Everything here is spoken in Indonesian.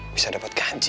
terus ada pembahasan juga